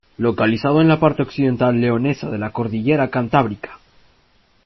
Localizado en la parte occidental leonesa de la Cordillera Cantábrica.